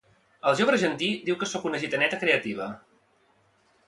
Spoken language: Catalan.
El jove argentí diu que sóc una gitaneta creativa